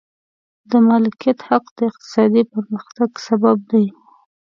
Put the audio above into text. د مالکیت حق د اقتصادي پرمختګ سبب دی.